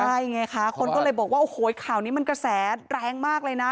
ใช่ไงคะคนก็เลยบอกว่าโอ้โหข่าวนี้มันกระแสแรงมากเลยนะ